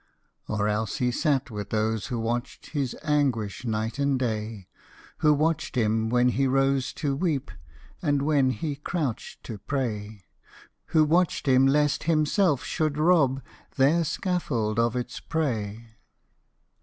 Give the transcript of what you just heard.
Or else he sat with those who watched His anguish night and day; Who watched him when he rose to weep, And when he crouched to pray; Who watched him lest himself should rob Their scaffold of its prey.